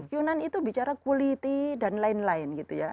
q sembilan itu bicara quality dan lain lain gitu ya